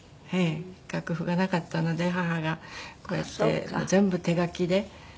楽譜がなかったので母がこうやって全部手書きで。